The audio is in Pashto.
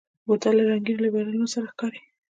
بوتل له رنګینو لیبلونو سره ښکاري.